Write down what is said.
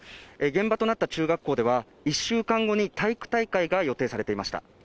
現場となった中学校では、１週間後に体育大会が予定されていました。